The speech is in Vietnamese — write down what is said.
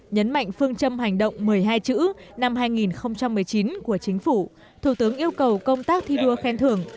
nhấn mạnh phương châm hành động một mươi hai chữ năm hai nghìn một mươi chín của chính phủ thủ tướng yêu cầu công tác thi đua khen thưởng